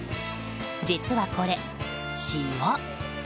実はこれ、塩。